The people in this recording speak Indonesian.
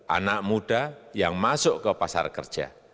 anak muda yang masuk ke pasar kerja